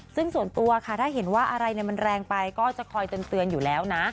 ซึ่งส่วนตัวค่ะถ้าเห็นว่าอะไรมันแรงไปก็จะคอยเตือนอยู่แล้วนะ